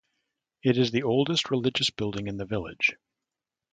It is the oldest religious building in the village.